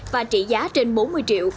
và trị giá trên bốn mươi triệu